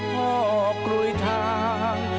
พ่อกลุยทาง